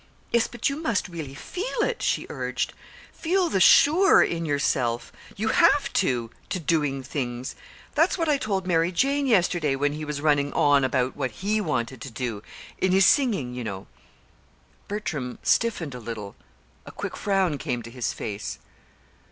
"Yes, but you must really feel it," she urged; "feel the 'sure' in yourself. You have to! to doing things. That's what I told Mary Jane yesterday, when he was running on about what he wanted to do in his singing, you know." Bertram stiffened a little. A quick frown came to his face.